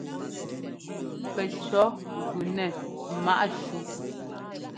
Pɛcɔ̌ gʉ nɛ ḿmaꞌ shú.